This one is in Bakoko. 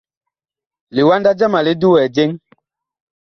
Liwanda jama li duwɛ jeŋ.